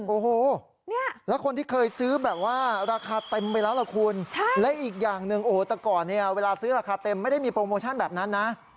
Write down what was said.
โอ้โหแล้วคนที่เคยซื้อแบบว่าราคาเต็มไปแล้วล่ะคุณและอีกอย่างหนึ่งโอ้โหแต่ก่อนเนี่ยเวลาซื้อราคาเต็มไม่ได้มีโปรโมชั่นแบบนั้นนะ